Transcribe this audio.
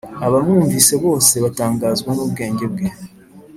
Abamwumvise bose batangazwa n’ ubwenge bwe